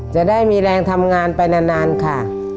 จะได้มีแรงทำงานไปนานค่ะ